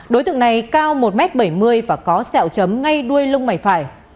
đối tượng này cao một m bảy mươi và có sẹo chấm ngay đuôi lông mày phải